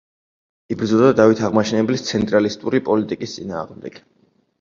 იბრძოდა დავით აღმაშენებლის ცენტრალისტური პოლიტიკის წინააღმდეგ.